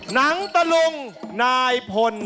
หนังตะลุงนายพล